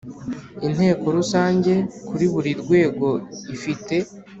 Inteko rusange kuri buri rwego ifite